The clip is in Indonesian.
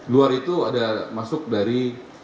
luar itu ada masuk dari